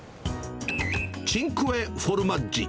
チンクエフォルマッジ。